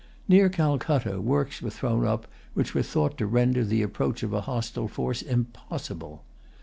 Near Calcutta, works were thrown up which were thought to render the approach of a hostile force impossible.